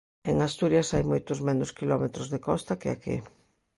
En Asturias hai moitos menos quilómetros de costa que aquí.